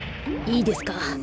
いいですか？